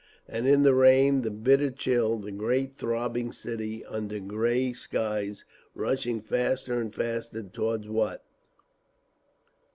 And in the rain, the bitter chill, the great throbbing city under grey skies rushing faster and faster toward—what?